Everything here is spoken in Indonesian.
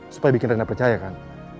supaya bikin renda percaya kan